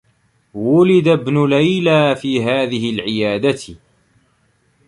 وُلد ابن ليلى في هذه العيادة.